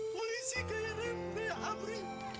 poesi kayak rembe amri